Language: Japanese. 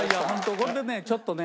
これでねちょっとね